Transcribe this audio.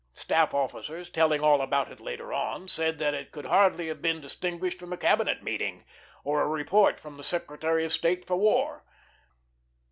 Staff officers, telling all about it later on, said that it could hardly have been distinguished from a cabinet meeting, or a report from the Secretary of State for War.